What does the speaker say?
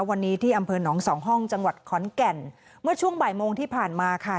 วันนี้ที่อำเภอหนองสองห้องจังหวัดขอนแก่นเมื่อช่วงบ่ายโมงที่ผ่านมาค่ะ